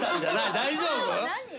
大丈夫？